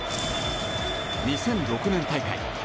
２００６年大会。